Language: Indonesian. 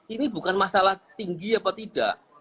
ini bukan masalah tinggi apa tidak